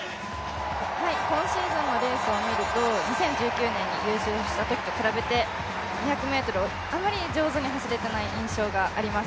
今シーズンのレースを見ると２０１９年に優勝したときと比べて２００ｍをあまり上手に走れていない印象があります。